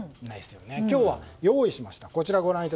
今日は用意しました。